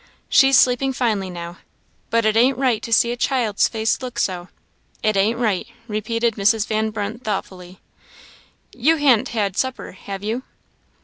She's sleeping finely now; but it ain't right to see a child's face look so it ain't right," repeated Mrs. Van Brunt, thoughtfully; "You han't had supper, have you?"